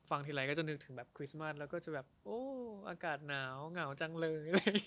ทีไรก็จะนึกถึงแบบคริสต์มัสแล้วก็จะแบบโอ้อากาศหนาวเหงาจังเลย